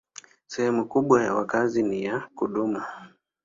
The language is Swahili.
Sehemu kubwa ya makazi ni ya kudumu.